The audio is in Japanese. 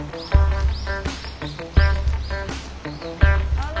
あの！